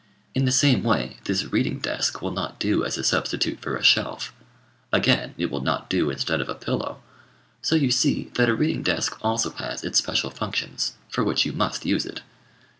In the same way, this reading desk will not do as a substitute for a shelf; again, it will not do instead of a pillow: so you see that a reading desk also has its special functions, for which you must use it.